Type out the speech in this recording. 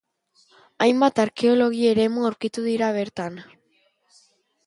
Hainbat arkeologi eremu aurkitu dira bertan.